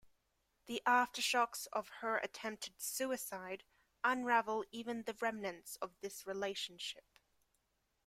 The aftershocks of her attempted suicide unravel even the remnants of this relationship.